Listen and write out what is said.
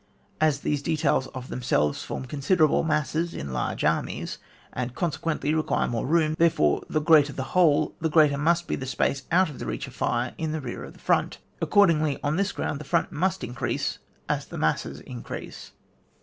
As these details of themselves form considerable masses in large armies, and, consequently, require more room, therefore, the greater the whole, the greater must be the space out of the reach of fire in rear of the front Ac cordingly, on this gpround, the front must increase as the masses increase.